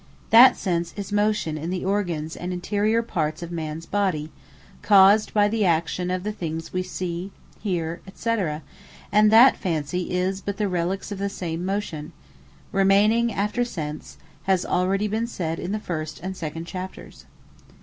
That Sense, is Motion in the organs and interiour parts of mans body, caused by the action of the things we See, Heare, &c. And that Fancy is but the Reliques of the same Motion, remaining after Sense, has been already sayd in the first and second Chapters.